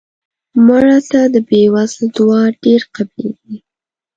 مړه ته د بې وزلو دعا ډېره قبلیږي